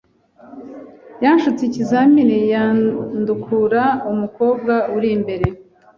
Yashutse ikizamini yandukura umukobwa uri imbere.